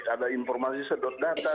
ada informasi sedot data